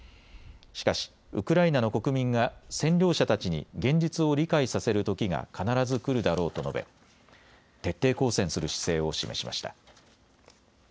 しかしウクライナの国民が占領者たちに現実を理解させるときが必ず来るだろうと述べ徹底抗戦する姿勢を示しました。